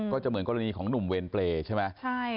ก็จะเหมือนกรณีของหนุ่มเวรเปรย์ใช่ไหม